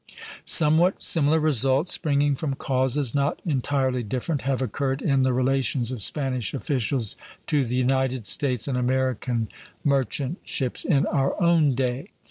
Somewhat similar results, springing from causes not entirely different, have occurred in the relations of Spanish officials to the United States and American merchant ships in our own day.